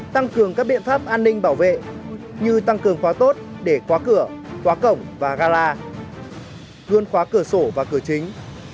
tăng cường các biện pháp an ninh bảo vệ như tăng cường khóa tốt để khóa cửa khóa cổng và gara gương khóa cửa sổ và cửa chính